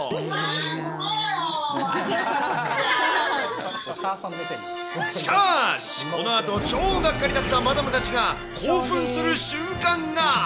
だめだよ、しかし、このあと超がっかりだったマダムたちが興奮する瞬間が。